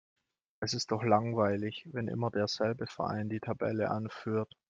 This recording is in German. Es ist doch langweilig, wenn immer derselbe Verein die Tabelle anführt.